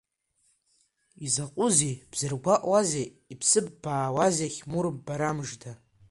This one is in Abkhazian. Изакәызеи, бзыргәаҟуазеи исԥыббаауазеи, Хьмур, барамыжда?